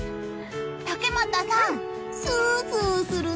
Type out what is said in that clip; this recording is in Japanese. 竹俣さん、スースーするね！